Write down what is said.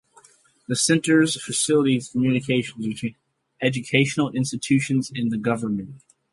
The Centre facilitates communication between educational institutions and the government.